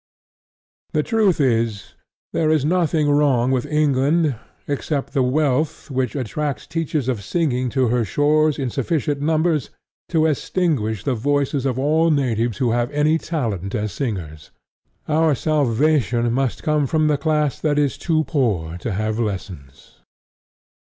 The truth is, there is nothing wrong with England except the wealth which attracts teachers of singing to her shores in sufficient numbers to extinguish the voices of all natives who have any talent as singers. Our salvation must come from the class that is too poor to have lessons.